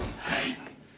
はい。